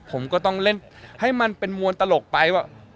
ผมก็ต้องเล่นให้มันเป็นมวลตลกไปว่า